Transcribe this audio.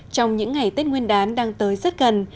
trong những ngày tết nguyên đán đang tới rất gần